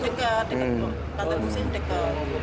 dekat kantor bus ini juga